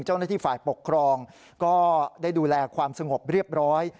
เจ้าหน้าที่ฝ่ายปกครองก็ได้ดูแลความสงบเรียบร้อย